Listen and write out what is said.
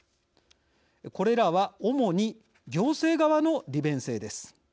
これらは主に行政側の利便性です。